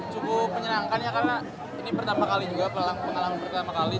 cukup menyenangkan ya karena ini pertama kali juga pengalaman pertama kali